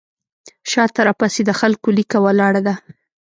شاته راپسې د خلکو لیکه ولاړه ده.